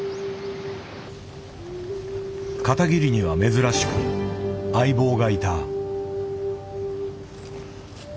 片桐には珍しく相棒がいた。